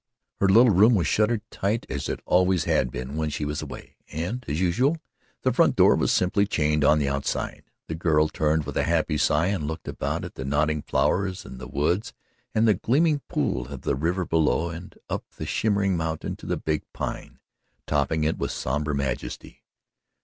Her little room was shuttered tight as it always had been when she was away, and, as usual, the front door was simply chained on the outside. The girl turned with a happy sigh and looked about at the nodding flowers and the woods and the gleaming pool of the river below and up the shimmering mountain to the big Pine topping it with sombre majesty.